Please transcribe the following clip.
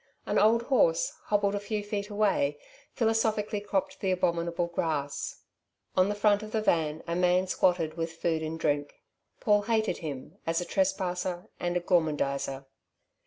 An old horse, hobbled a few feet away, philosophically cropped the abominable grass. On the front of the van a man squatted with food and drink. Paul hated him as a trespasser and a gormandizer.